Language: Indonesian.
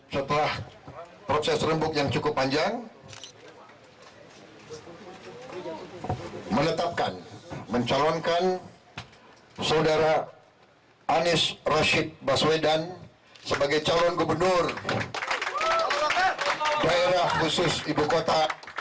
setelah proses rembuk yang cukup panjang menetapkan mencalonkan saudara anies rashid baswedan sebagai calon gubernur daerah khusus ibu kota